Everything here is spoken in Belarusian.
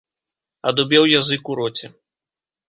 Адубеў язык у роце.